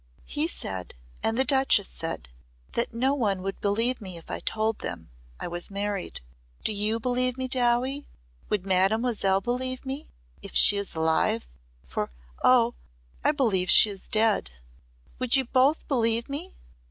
"He said and the Duchess said that no one would believe me if I told them I was married. Do you believe me, Dowie? Would Mademoiselle believe me if she is alive for Oh! I believe she is dead! Would you both believe me?"